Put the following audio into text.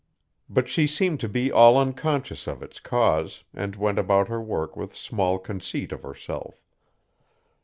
But she seemed to be all unconscious of its cause and went about her work with small conceit of herself.